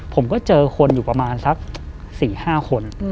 ผมก็เจอคนอยู่ประมาณสัก๔๕คน